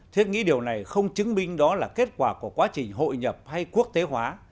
thiết nghĩ điều này không chứng minh đó là kết quả của quá trình hội nhập hay quốc tế hóa